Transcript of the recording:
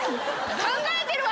「考えてるわ」